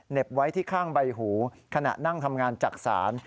ไว้ที่ข้างใบหูขณะนั่งทำงานจักษาน